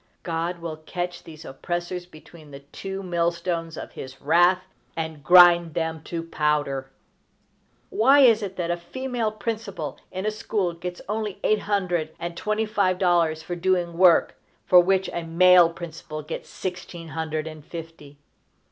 God will catch these oppressors between the two mill stones of his wrath, and grind them to powder! Why is it that a female principal in a school gets only eight hundred and twenty five dollars for doing work for which a male principal gets sixteen hundred and fifty?